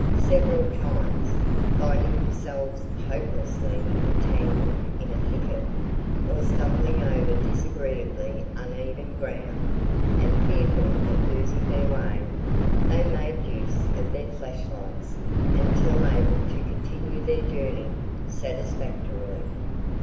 Several times, finding themselves hopelessly entangled in a thicket, or stumbling over disagreeably uneven ground, and fearful of losing their way, they made use of their flash lights until able to continue their journey satisfactorily.